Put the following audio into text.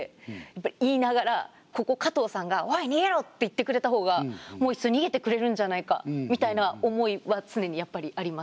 ここ加藤さんが「おい逃げろ！」って言ってくれたほうがもういっそ逃げてくれるんじゃないかみたいな思いは常にやっぱりあります。